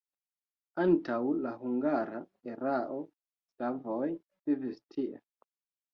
Antaŭ la hungara erao slavoj vivis tie.